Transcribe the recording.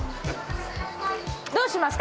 どうしますか？